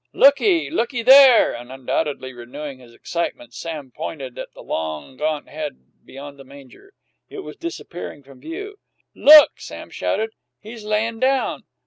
"Look! Looky there!" And undoubtedly renewing his excitement, Sam pointed at the long, gaunt head beyond the manger. It was disappearing from view. "Look!" Sam shouted. "He's layin' down!"